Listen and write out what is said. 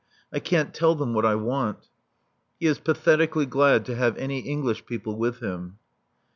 I can't tell them what I want." He is pathetically glad to have any English people with him.